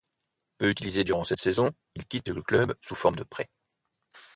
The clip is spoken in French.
Peu utilisé durant cette saison, il quitte le club sous forme de prêt.